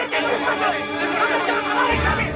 jangan jangan jangan